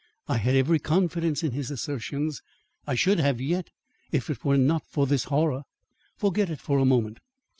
I had every confidence in his assertions. I should have yet, if it were not for this horror." "Forget it for a moment.